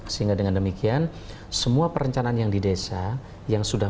sehingga dengan demikian semua perencanaan yang di desa